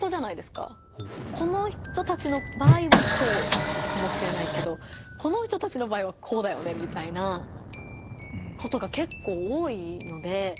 この人たちの場合はこうかもしれないけどこの人たちの場合はこうだよねみたいなことが結構多いので。